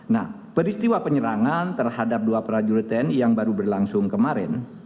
nah peristiwa penyerangan terhadap dua prajurit tni yang baru berlangsung kemarin